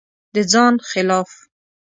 د ځان خلاف